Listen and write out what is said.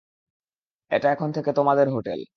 এটা এখন থেকে তোমাদের হোটেল।